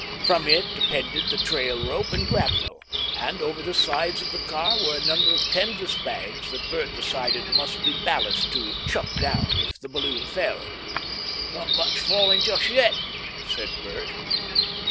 From it depended the trail rope and grapnel, and over the sides of the car were a number of canvas bags that Bert decided must be ballast to "chuck down" if the balloon fell. ("Not much falling just yet," said Bert.)